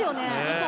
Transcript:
嘘？